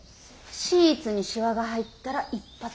シーツにしわが入ったら一発アウト。